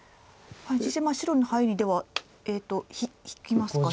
実戦白のハイにでは引きますか？